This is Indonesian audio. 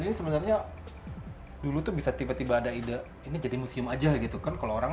ini sebenarnya dulu tuh bisa tiba tiba ada ide ini jadi museum aja gitu kan kalau orang